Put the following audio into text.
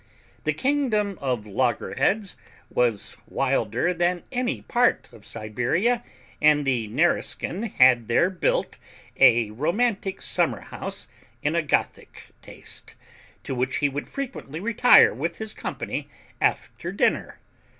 The kingdom of Loggerheads was wilder than any part of Siberia, and the Nareskin had here built a romantic summer house in a Gothic taste, to which he would frequently retire with his company after dinner.